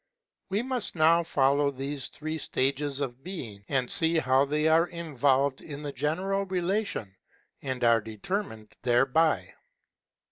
We must now follow these three states of being, to see how they are involved in the general relation, and are determined thereby.